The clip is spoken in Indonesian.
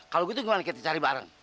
kalau gitu gimana kita cari bareng